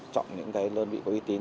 chọn những cái đơn vị có uy tín